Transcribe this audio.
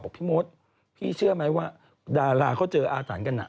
บอกพี่โมทพี่เชื่อไหมว่าดาราเขาเจออาสันกันนะ